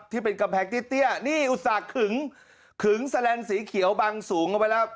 ที่เป็นกำแพงเตี้ยนี่อุตส่าหึงขึงแสลนดสีเขียวบังสูงเข้าไปแล้ว